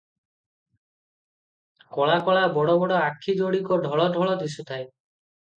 କଳା କଳା ବଡ଼ବଡ଼ ଆଖି ଯୋଡ଼ିକ ଢଳ ଢଳ ଦିଶୁଥାଏ ।